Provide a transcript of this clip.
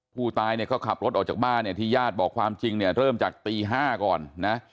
ผู้ตายก็ขับรถออกจากบ้านที่ญาติบอกความจริงเริ่มจากตี๕ก่อนนะ